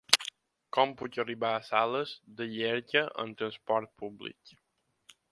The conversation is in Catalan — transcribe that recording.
Com puc arribar a Sales de Llierca amb trasport públic?